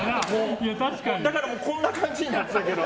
だからこんな感じになってたけど。